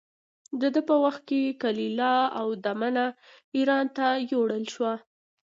د ده په وخت کې کلیله و دمنه اېران ته یووړل شوه.